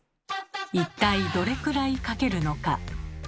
一体どれくらいかけるのか。